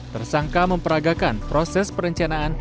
tersangka memperagakan proses perencanaan